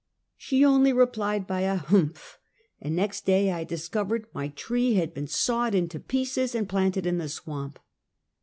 She only replied by a "humph!" and next day I discovered my tree had been sawed into pieces and planted in the swamp.